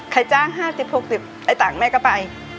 ใครจ้าง๕๐๖๐ไอ้ต่างแม่ก็ไป